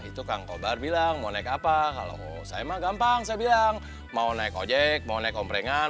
itu kang kobar bilang mau naik apa kalau saya mah gampang saya bilang mau naik ojek mau naik komprengan